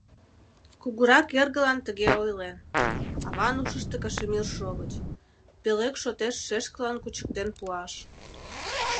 Кугурак эргылан тыге ойлен, аван ушышто кашемир шовыч: пӧлек шотеш шешкылан кучыктен пуаш...